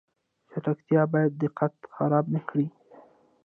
چټکتیا باید دقت خراب نکړي